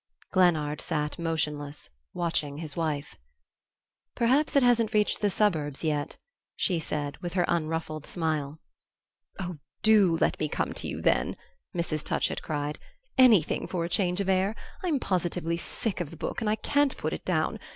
Glennard sat motionless, watching his wife. "Perhaps it hasn't reached the suburbs yet," she said, with her unruffled smile. "Oh, DO let me come to you, then!" Mrs. Touchett cried; "anything for a change of air! I'm positively sick of the book and I can't put it down.